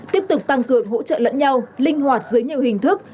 tiếp tục tăng cường hỗ trợ lẫn nhau linh hoạt dưới nhiều hình thức